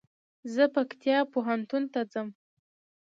زه پکتيا پوهنتون ته ځم